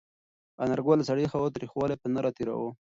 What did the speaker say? انارګل د سړې هوا تریخوالی په نره تېراوه.